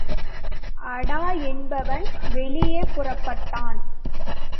அடா என்பவன் வெளியே புறப்பட்டான்.